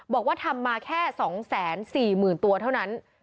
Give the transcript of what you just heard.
บอกว่าทำมาแค่๒แสน๔หมื่นตัวเท่านั้น